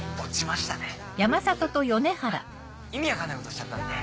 意味分かんないことしちゃったんで。